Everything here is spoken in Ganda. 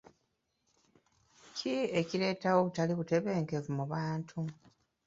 Ki ekireetawo obutali butebenkevu mu bantu?